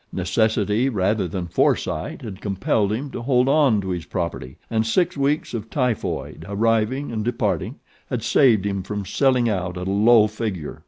Necessity rather than foresight had compelled him to hold on to his property; and six weeks of typhoid, arriving and departing, had saved him from selling out at a low figure.